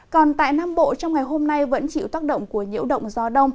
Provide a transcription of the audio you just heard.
còn tại nam bộ trong ngày hôm nay vẫn chịu tác động của nhiễu động gió đông